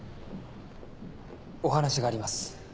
お話があります。